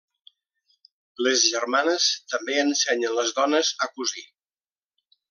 Les germanes també ensenyen les dones a cosir.